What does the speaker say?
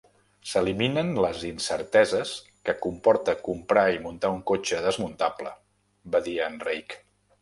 S'eliminen les incerteses que comporta comprar i muntar un cotxe desmuntable, va dir en Reick.